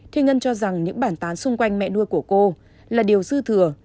thiên ngân cho rằng những bản tán xung quanh mẹ nuôi của cô là điều dư thừa